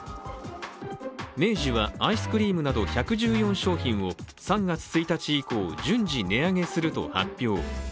明治はアイスクリームなど１１４商品を３月１日以降、順次値上げすると発表。